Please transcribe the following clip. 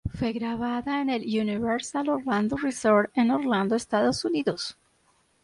Fue grabada en el Universal Orlando Resort en Orlando, Estados Unidos.